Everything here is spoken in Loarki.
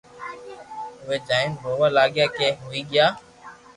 اووي جائين رووا لاگيا ڪي ھوئي گيا